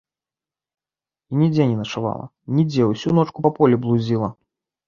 І нідзе не начавала, нідзе, усю ночку па полі блудзіла.